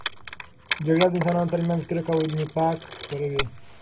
جګړه د انسانانو ترمنځ کرکه او نفاق خپروي.